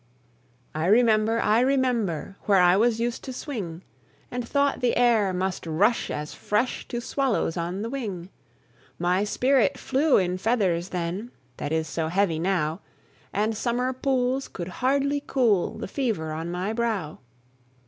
I remember, I remember Where I was used to swing, And thought the air must rush as fresh To swallows on the wing; My spirit flew in feathers then That is so heavy now, And summer pools could hardly cool The fever on my brow.